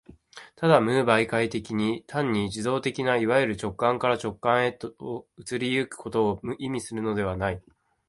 ただ無媒介的に、単に受働的ないわゆる直観から直観へと移り行くことを意味するのではない。